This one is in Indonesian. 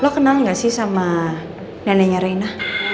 lo kenal gak sih sama neneknya rena